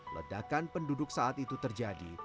ledakan penduduk saat itu terjadi